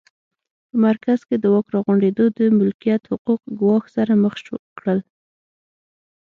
په مرکز کې د واک راغونډېدو د ملکیت حقوق ګواښ سره مخ کړل